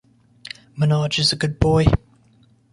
Manoj is a good boy.